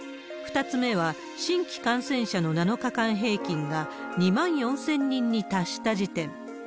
２つ目は、新規感染者の７日間平均が２万４０００人に達した時点。